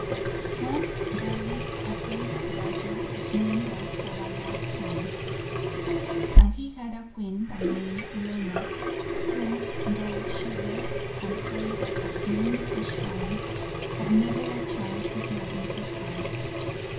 Once there lived a great Raja, whose name was Salabhan, and he had a Queen, by name Lona, who, though she wept and prayed at many a shrine, had never a child to gladden her eyes.